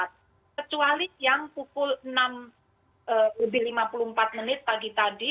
kecuali yang pukul enam lebih lima puluh empat menit pagi tadi